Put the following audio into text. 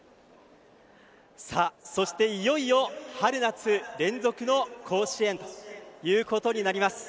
そしていよいよ春夏連続の甲子園となります。